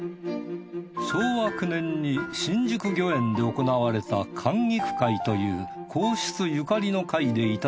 昭和９年に新宿御苑で行われた観菊会という皇室ゆかりの会で頂いた菓子と書かれている